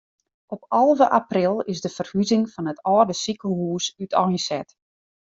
Op alve april is de ferhuzing fan it âlde sikehûs úteinset.